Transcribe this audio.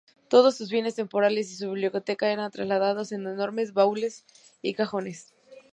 Todos sus bienes temporales y su biblioteca eran trasladados en enormes baúles y cajones.